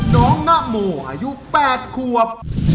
น้องนัโหมอายุแปดขวบ